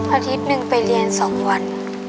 อาทิตย์หนึ่งไปเรียน๒วัน